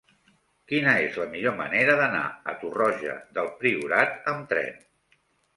Quina és la millor manera d'anar a Torroja del Priorat amb tren?